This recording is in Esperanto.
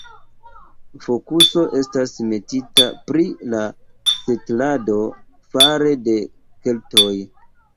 Fokuso estas metita pri la setlado fare de keltoj.